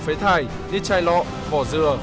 phế thải như chai lọ bỏ dừa